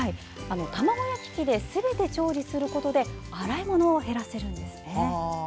卵焼き器ですべて調理することで洗いものを減らせるんです。